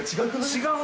違う？